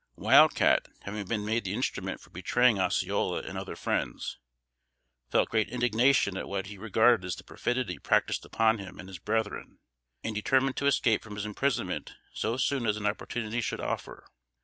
Wild Cat, having been made the instrument for betraying Osceola and other friends, felt great indignation at what he regarded as the perfidy practiced upon him and his brethren, and determined to escape from his imprisonment so soon as an opportunity should offer.